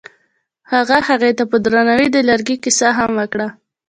هغه هغې ته په درناوي د لرګی کیسه هم وکړه.